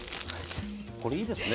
これいいですね。